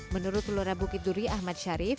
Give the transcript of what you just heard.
menurut lura bukit duri ahmad syarif